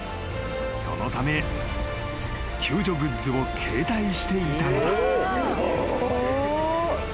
［そのため救助グッズを携帯していたのだ］